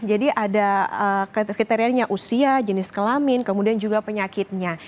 jadi ada kriteriannya usia jenis kelamin kemudian juga penyakitnya